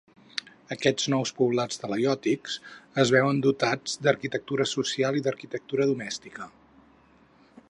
Aquests nous poblats talaiòtics es veuen dotats d'arquitectura social i d'arquitectura domèstica.